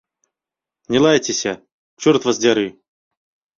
Не лайцеся, чорт вас дзяры!